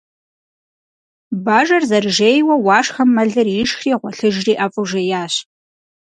Бажэр зэрыжейуэ, Уашхэм мэлыр ишхри гъуэлъыжри ӀэфӀу жеящ.